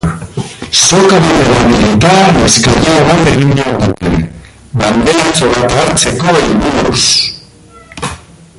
Soka bat erabilita eskailera bat egin behar dute, banderatxo bat hartzeko helburuz.